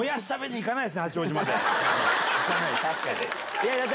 行かないです。